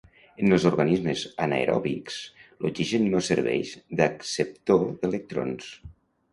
En els organismes anaeròbics, l'oxigen no serveix d'acceptor d'electrons.